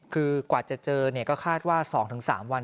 คือกว่าจะเจอก็คาดว่า๒๓วัน